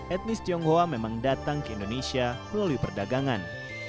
etnis tionghoa memang datang ke indonesia melalui perdagangan